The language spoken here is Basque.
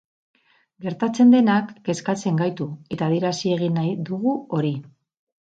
Gertatzen denak kezkatzen gaitu, eta adierazi egin nahi dugu hori.